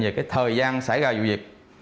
về cái thời gian xảy ra vụ việc